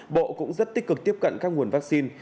bộ cũng rất tích cực tiếp cận các nguồn vaccine